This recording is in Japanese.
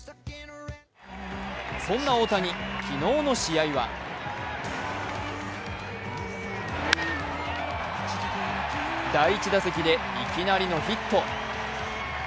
そんな大谷、昨日の試合は第１打席でいきなりのヒット。